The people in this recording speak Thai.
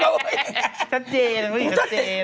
ชัดเจน